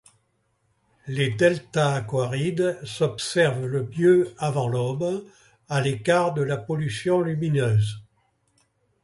Les Delta aquarides s'observent le mieux avant l'aube, à l'écart de la pollution lumineuse.